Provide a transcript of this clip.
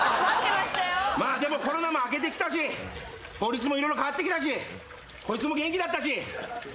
まあでもコロナも明けてきたし法律も色々変わってきたしこいつも元気だったし。